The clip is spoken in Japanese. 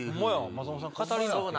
松本さん語りって。